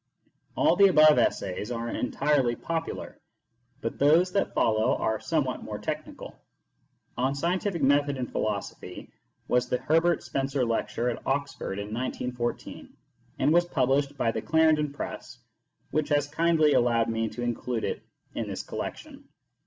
All the above essays are entirely popular, but those that follow are somewhat more technical. " On Scientific Method in Philosophy " was the Herbert Spencer lecture at Oxford in 1914, and was published by the Clarendon Press, which has kindly allowed me to include it in this collection.